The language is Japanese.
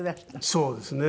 そうですね。